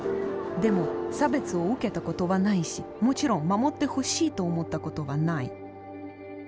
でも差別を受けたことはないしもちろん守ってほしいと思ったことはない。